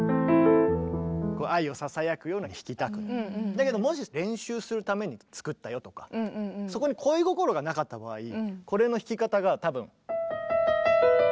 だけどもし練習するために作ったよとかそこに恋心がなかった場合これの弾き方が多分。